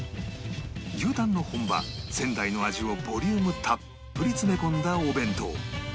牛たんの本場仙台の味をボリュームたっぷり詰め込んだお弁当